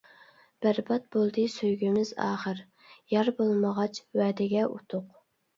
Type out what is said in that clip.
بەربات بولدى سۆيگۈمىز ئاخىر، يار بولمىغاچ ۋەدىگە ئۇتۇق.